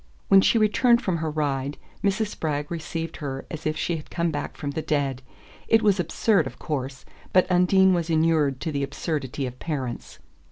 When she returned from her ride Mrs. Spragg received her as if she had come back from the dead. It was absurd, of course; but Undine was inured to the absurdity of parents.